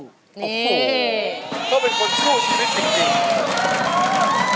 ก็เป็นคนสู้ชีวิตจริง